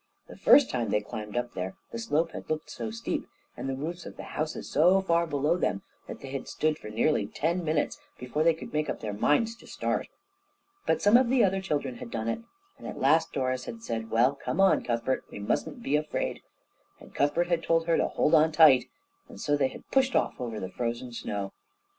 The first time they climbed up there the slope had looked so steep, and the roofs of the houses so far below them, that they had stood for nearly ten minutes before they could make up their minds to start. But some of the other children had done it, and at last Doris had said, "Well, come on, Cuthbert, we mustn't be afraid," and Cuthbert had told her to hold on tight, and so they had pushed off over the frozen snow.